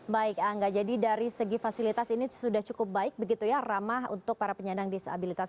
baik angga jadi dari segi fasilitas ini sudah cukup baik begitu ya ramah untuk para penyandang disabilitas